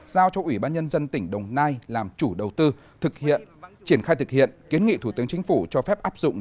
giao cho ủy ban nhân dân tỉnh đồng nai làm chủ đầu tư triển khai thực hiện kiến nghị thủ tướng chính phủ cho phép áp dụng